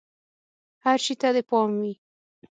هر شي ته دې پام وي!